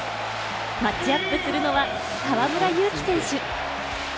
マッチアップするのは河村勇輝選手。